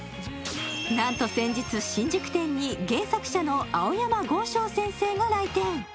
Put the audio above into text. なんと先日、新宿店に原作者の青山剛昌先生が来店。